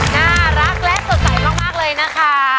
น่ารักและสดใสมากเลยนะคะ